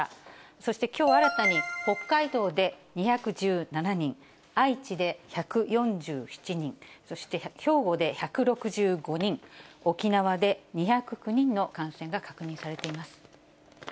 そしてきょう新たに、北海道で２１７人、愛知で１４７人、そして兵庫で１６５人、沖縄で２０９人の感染が確認されています。